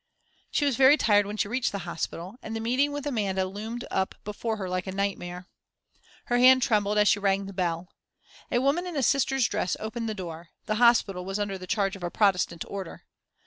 She was very tired when she reached the hospital, and the meeting with Amanda loomed up before her like a nightmare. Her hand trembled as she rang the bell. A woman in a sister's dress opened the door the hospital was under the charge of a Protestant order.